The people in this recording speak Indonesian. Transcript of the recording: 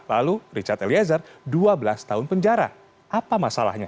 lalu richard eliezer dua belas tahun penjara apa masalahnya